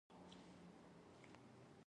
د عرض زیاتوالی له انتقالي ګولایي پیلیږي